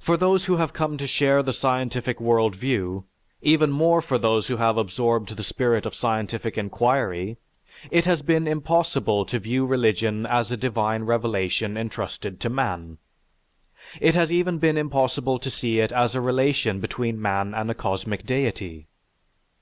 For those who have come to share the scientific world view, even more for those who have absorbed the spirit of scientific inquiry, it has been impossible to view religion as a divine revelation entrusted to man. It has even been impossible to see it as a relation between man and a cosmic deity.